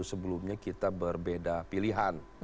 sebelumnya kita berbeda pilihan